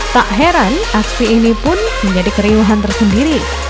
tak heran aksi ini pun menjadi keriuhan tersendiri